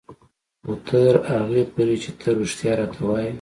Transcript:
خو تر هغې پورې چې ته رښتيا راته وايې.